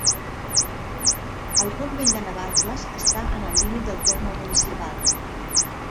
El Pont Vell de Navarcles està en el límit del terme municipal.